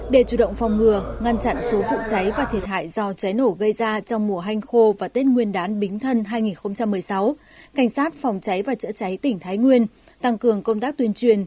để chủ động phòng ngừa ngăn chặn số vụ cháy và thiệt hại do cháy nổ gây ra trong mùa hanh khô và tết nguyên đán bính thân hai nghìn một mươi sáu cảnh sát phòng cháy và chữa cháy tỉnh thái nguyên tăng cường công tác tuyên truyền